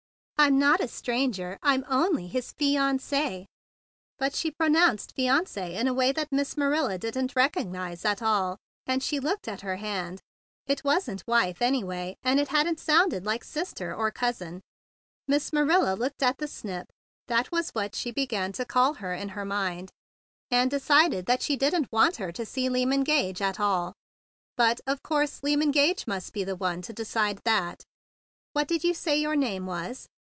"I'm not a stranger. I'm only his fiancee." But she pronounced "fiancee" in a way that Miss Marilla didn't recognize at 11 162 THE BIG BLUE SOLDIER all, and she looked at her hard. It wasn't "wife," anyway; and it hadn't sounded like "sister" or "cousin." Miss Marilla looked at the snip—that was what she began to call her in her mind —and decided that she didn't want her to see Lyman Gage at all; but of course Lyman Gage must be the one to decide that. "What did you say your name was?"